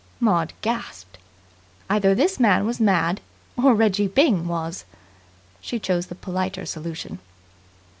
Maud gasped. Either this man was mad, or Reggie Byng was. She choose the politer solution.